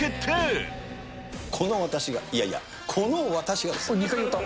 この私が、いやいや、この私２回言った。